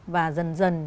và dần dần